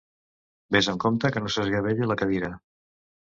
Ves amb compte que no s'esgavelli la cadira.